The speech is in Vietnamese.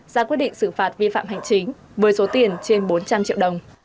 ra quyết định xử phạt vi phạm hành chính với số tiền trên bốn trăm linh triệu đồng